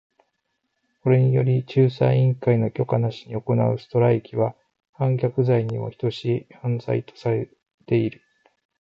これにより、仲裁委員会の許可なしに行うストライキは反逆罪にも等しい犯罪とされている。